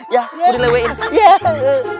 ya aku dilewein